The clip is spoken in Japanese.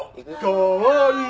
かわいい。